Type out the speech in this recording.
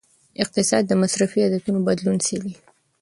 اقتصاد د مصرفي عادتونو بدلون څیړي.